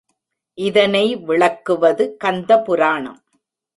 இதனை விளக்குவது கந்தபுராணம்.